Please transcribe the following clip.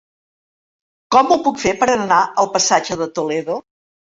Com ho puc fer per anar al passatge de Toledo?